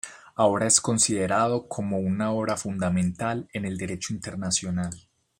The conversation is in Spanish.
Ahora es considerado como una obra fundamental en el Derecho internacional.